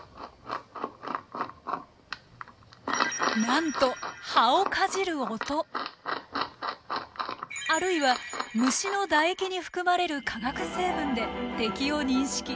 なんとあるいは虫の唾液に含まれる化学成分で敵を認識。